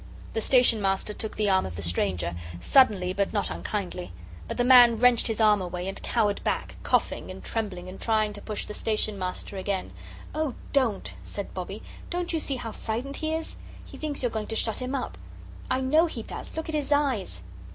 The Station Master took the arm of the stranger, suddenly but not unkindly. But the man wrenched his arm away, and cowered back coughing and trembling and trying to push the Station Master away. "Oh, don't!" said Bobbie; "don't you see how frightened he is? He thinks you're going to shut him up. I know he does look at his eyes!"